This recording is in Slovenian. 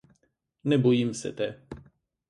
Ne bojim se te.